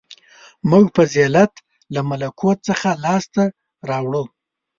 • موږ فضیلت له ملکوت څخه لاسته راوړو.